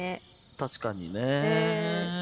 確かにね。